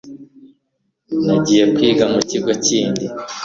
nagiye kwiga mu kigo kindi